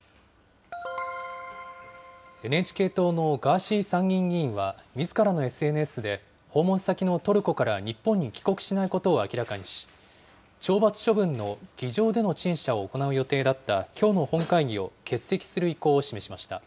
ＮＨＫ党のガーシー参議院議員は、みずからのＳＮＳで、訪問先のトルコから日本に帰国しないことを明らかにし、懲罰処分の議場での陳謝を行う予定だったきょうの本会議を欠席する意向を示しました。